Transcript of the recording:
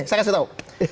saya kasih tau